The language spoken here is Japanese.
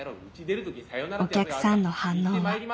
お客さんの反応は。